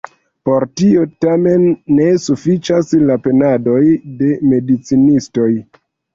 Por tio, tamen, ne sufiĉas la penadoj de medicinistoj.